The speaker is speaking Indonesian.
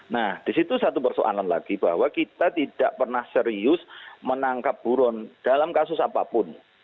nah disitu satu persoalan lagi bahwa kita tidak pernah serius menangkap buron dalam kasus apapun